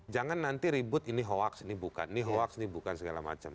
jangan nanti ribut ini hoax ini bukan ini hoax ini bukan segala macam